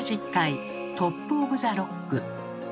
「トップ・オブ・ザ・ロック」。